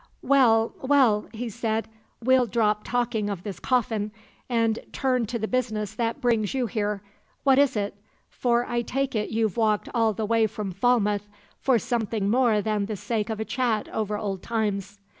'Well, well,' he said, 'we'll drop talking of this Coffin, and turn to the business that brings you here. What is it? For I take it you've walked all the way from Falmouth for something more than the sake of a chat over old times.'